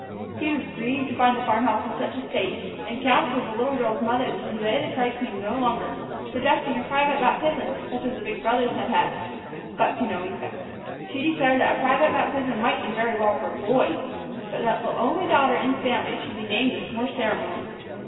He was grieved to find the farm house in such a state, and counseled the little girl's mother to delay the christening no longer, suggesting a private baptism, such as the big brothers had had. But to no effect. She declared that a private baptism might do very well for boys, but that the only daughter in the family should be named with more ceremony.